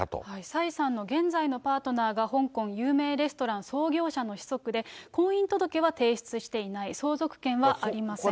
蔡さんの現在のパートナーが、香港有名レストラン創業者の子息で、婚姻届は提出していない、相続権はありません。